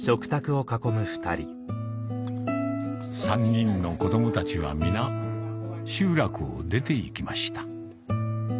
３人の子供たちは皆集落を出て行きました